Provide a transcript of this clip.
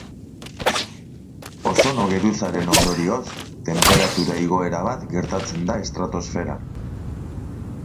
Ozono geruzaren ondorioz, tenperatura igoera bat gertatzen da estratosferan.